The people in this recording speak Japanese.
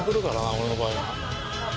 俺の場合は。